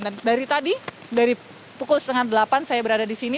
dan dari tadi dari pukul setengah delapan saya berada di sini